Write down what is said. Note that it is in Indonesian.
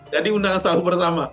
jadi undangan sahur bersama